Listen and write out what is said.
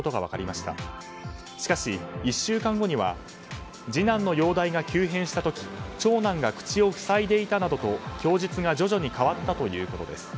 しかし、１週間後には次男の容体が急変した時長男が口を塞いでいたなどと供述が徐々に変わったということです。